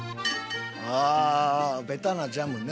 ああーベタなジャムね。